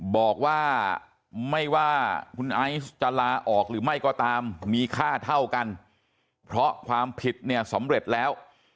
บอกว่าไม่ว่าคุณไอซ์จะลาออกหรือไม่ก็ตามมีค่าเท่ากันเพราะความผิดเนี่ยสำเร็จแล้ว